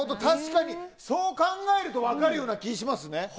確かにそう考えると分かるような気しますね。